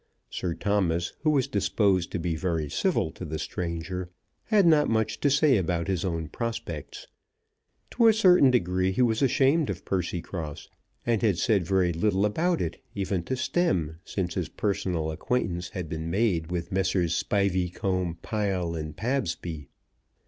Sir Thomas, who was disposed to be very civil to the stranger, had not much to say about his own prospects. To a certain degree he was ashamed of Percycross, and had said very little about it even to Stemm since his personal acquaintance had been made with Messrs. Spiveycomb, Pile, and Pabsby.